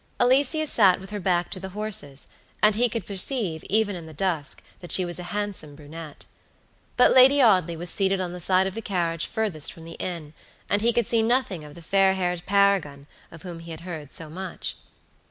Alicia sat with her back to the horses, and he could perceive, even in the dusk, that she was a handsome brunette; but Lady Audley was seated on the side of the carriage furthest from the inn, and he could see nothing of the fair haired paragon of whom he had heard so much.